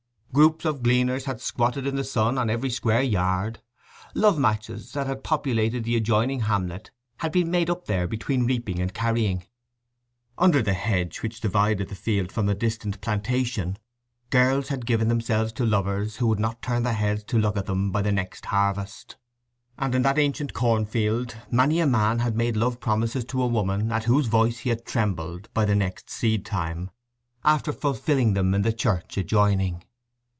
Groups of gleaners had squatted in the sun on every square yard. Love matches that had populated the adjoining hamlet had been made up there between reaping and carrying. Under the hedge which divided the field from a distant plantation girls had given themselves to lovers who would not turn their heads to look at them by the next harvest; and in that ancient cornfield many a man had made love promises to a woman at whose voice he had trembled by the next seed time after fulfilling them in the church adjoining.